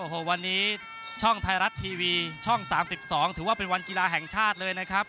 โอ้โหวันนี้ช่องไทยรัฐทีวีช่อง๓๒ถือว่าเป็นวันกีฬาแห่งชาติเลยนะครับ